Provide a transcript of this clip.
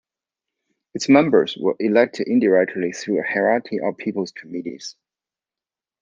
Its members were elected indirectly through a hierarchy of people's committees.